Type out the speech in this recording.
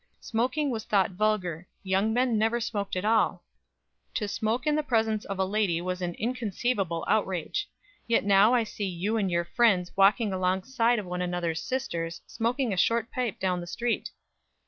Smoking was thought vulgar. Young men never smoked at all. To smoke in the presence of a lady was an inconceivable outrage; yet now I see you and your friends walking alongside of one another's sisters, smoking a short pipe down the street."